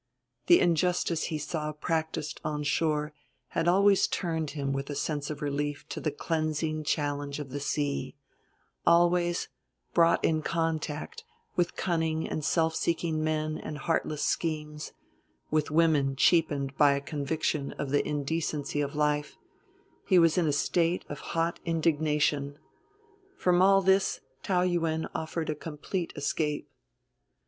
The injustice he saw practiced on shore had always turned him with a sense of relief to the cleansing challenge of the sea; always, brought in contact with cunning and self seeking men and heartless schemes, with women cheapened by a conviction of the indecency of life, he was in a state of hot indignation. From all this Taou Yuen offered a complete escape.